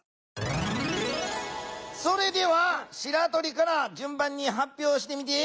それではしらとりからじゅん番にはっぴょうしてみて。